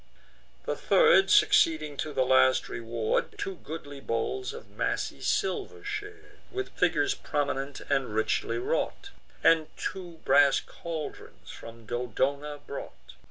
The third, succeeding to the last reward, Two goodly bowls of massy silver shar'd, With figures prominent, and richly wrought, And two brass caldrons from Dodona brought.